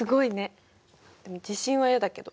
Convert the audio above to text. でも地震は嫌だけど。